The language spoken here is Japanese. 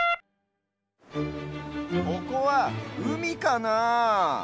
ここはうみかなあ。